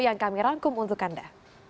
yang kami rangkum untuk anda